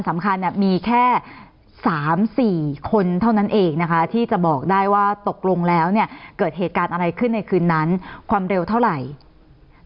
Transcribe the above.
สำคัญมีแค่๓๔คนเท่านั้นเองนะคะที่จะบอกได้ว่าตกลงแล้วเนี่ยเกิดเหตุการณ์อะไรขึ้นในคืนนั้นความเร็วเท่าไหร่